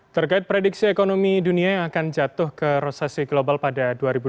terkait prediksi ekonomi dunia yang akan jatuh ke resesi global pada dua ribu dua puluh